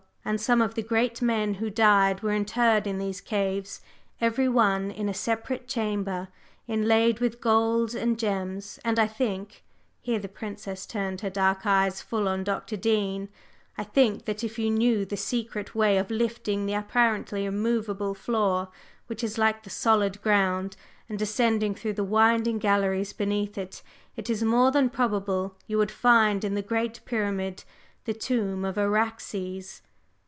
And some of the great men who died were interred in these caves, every one in a separate chamber inlaid with gold and gems, and I think," here the Princess turned her dark eyes full on Dr. Dean, "I think that if you knew the secret way of lifting the apparently immovable floor, which is like the solid ground, and descending through the winding galleries beneath, it is more than probable you would find in the Great Pyramid the tomb of Araxes!"